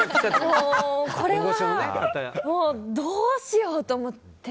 これはどうしようと思って。